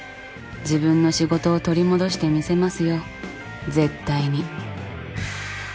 自分の仕事を取り戻してみせますよ絶対に。